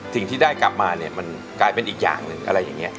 สิ่งที่ได้กลับมาเนี่ยมันกลายเป็นอีกอย่างหนึ่งอะไรอย่างนี้